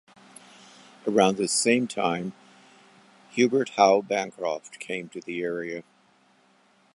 Around this same time, Hubert Howe Bancroft came to the area.